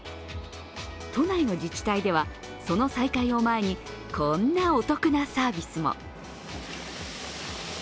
都内の自治体ではその再開を前にこんなお得なサービスも。